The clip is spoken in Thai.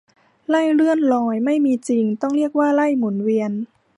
ไร่เลื่อนลอยไม่มีจริง ต้องเรียกว่าไร่หมุนเวียน